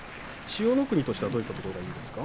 千代の国としてはどういうところがいいんですか？